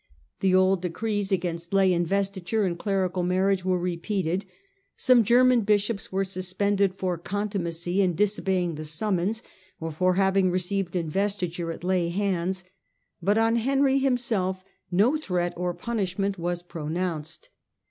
The old decrees against im^ y j^y iuyegtit^p0 and clerical marriage were repeated; some German bishops were suspended for contumacy in disobeying the summons, or for having received investiture at lay hands, but on Henry himself no threat or punishment was pronounced.